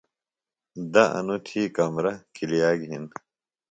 دہ انوۡ تھی کمرہ ۔کِلیہ گھِن۔